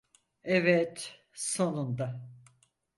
Evet, sonunda.